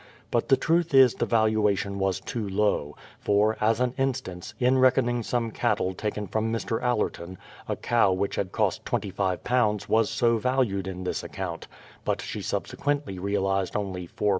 But the truth is the valuation was too low ; for, as an instance, in reckoning some cattle taken from Air. Allerton, a cow which had cost £25 was so valued in this account; but she subsequently realized only £4 15 0.